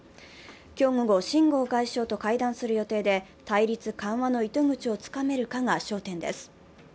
今日午後、秦剛外相と会談する予定で、対立緩和の糸口をつかめるかが焦点です。